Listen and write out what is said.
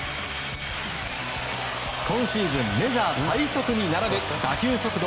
今シーズン、メジャー最速に並ぶ打球速度